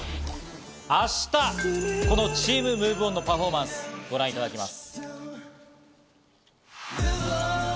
明日、このチームＭｏｖｅＯｎのパフォーマンス、ご覧いただきます。